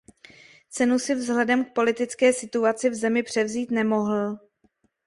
Cenu si vzhledem k politické situaci v zemi převzít nemohl.